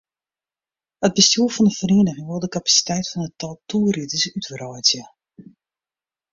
It bestjoer fan de feriening wol de kapasiteit fan it tal toerriders útwreidzje.